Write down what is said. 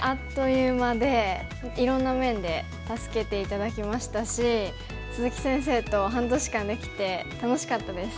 いろんな面で助けて頂きましたし鈴木先生と半年間できて楽しかったです。